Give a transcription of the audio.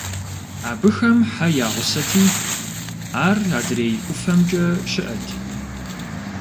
Абыхэм хьэ я гъусэти, ар адрей ӀуфэмкӀэ щыӀэт.